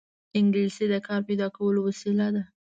انګلیسي د کار پیدا کولو وسیله ده